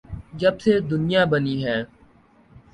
جب سے دنیا بنی ہے۔